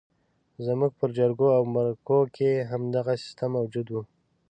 زموږ پر جرګو او مرکو کې همدغه سیستم موجود وو.